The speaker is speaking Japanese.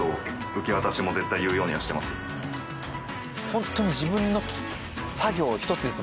ホントに自分の作業ひとつですもんね